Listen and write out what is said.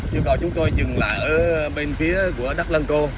chưa có chúng tôi dừng lại ở bên phía của đất lăng cô